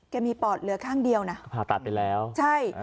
มีปอดเหลือข้างเดียวนะผ่าตัดไปแล้วใช่